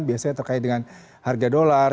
biasanya terkait dengan harga dolar